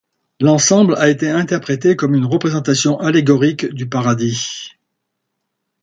L'ensemble a été interprété comme une représentation allégorique du Paradis.